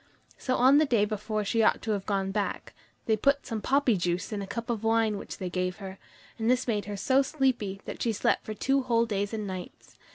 So on the day before she ought to have gone back, they put, some poppy juice in a cup of wine which they gave her, and this made her so sleepy that she slept for two whole days and nights.